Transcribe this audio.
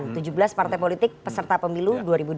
tujuh belas partai politik peserta pemilu dua ribu dua puluh